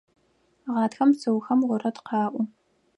Гъатхэм бзыухэм орэд къаӏо.